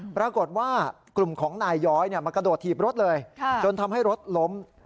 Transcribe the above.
ปรากฏว่ากลุ่มของนายย้อยมากระโดดถีบรถเลยจนทำให้รถล้ม